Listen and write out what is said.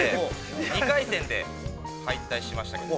２回戦で敗退しましたけども。